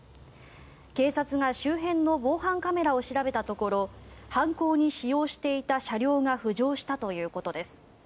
警察が周辺の防犯カメラを調べたところ犯行に使用していた車両が浮上したということです。